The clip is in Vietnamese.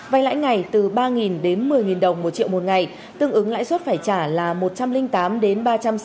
vay lãi ngày từ ba đến một mươi đồng một triệu một ngày tương ứng lãi suất phải trả là một trăm linh tám đến ba trăm sáu mươi